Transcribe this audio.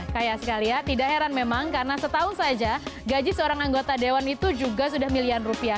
kaya sekali ya tidak heran memang karena setahun saja gaji seorang anggota dewan itu juga sudah miliaran rupiah